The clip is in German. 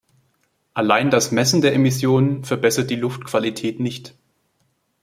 Allein das Messen der Emissionen verbessert die Luftqualität nicht.